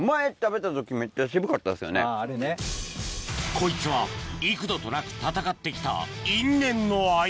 こいつは幾度となく戦って来た